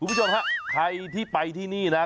คุณผู้ชมฮะใครที่ไปที่นี่นะ